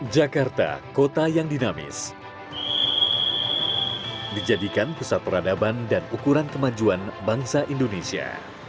jakarta kota yang dinamis dijadikan pusat peradaban dan ukuran kemajuan bangsa indonesia